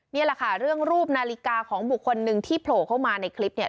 นี่แหละค่ะเรื่องรูปนาฬิกาของบุคคลหนึ่งที่โผล่เข้ามาในคลิปเนี่ย